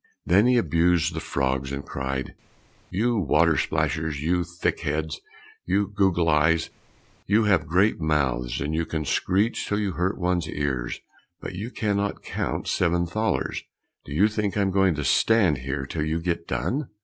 Then he abused the frogs and cried, "You water splashers, you thick heads, you goggle eyes, you have great mouths and can screech till you hurt one's ears, but you cannot count seven thalers! Do you think I'm going to stand here till you get done?"